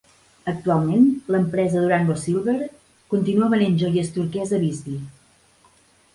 Actualment, l'empresa Durango Silver continua venent joies turquesa Bisbee.